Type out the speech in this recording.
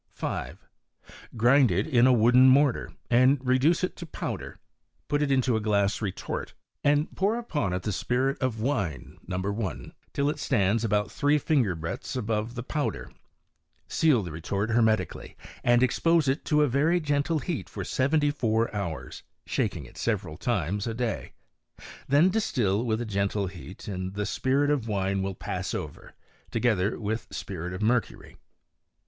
f ^ 5. Grind it in a wooden mortar, and reduce it tb^ powder ; put it into a glass retort, and pour upon it the spirit of wine (No. 1) till it stands about three * finger breadths above the powder ; seal the retoit^ hermetically, and expose it to a very gentle heat fot( seventy four hours, shaking it several times a dayj' then distil with a gentle heat and the spirit of win^ will pass over, together with spirit of mercury.